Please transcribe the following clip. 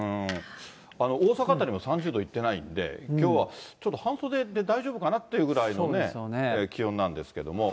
大阪辺りも３０度いってないんで、きょうはちょっと半袖で大丈夫かなというぐらいの気温なんですけれども。